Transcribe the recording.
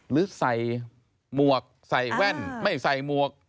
หรือใส่หมวกใส่แว่นไม่ใส่หมวก